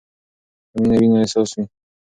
که مینه وي نو اساس وي.